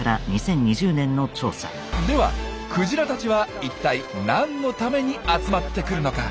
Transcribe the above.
ではクジラたちは一体何のために集まってくるのか。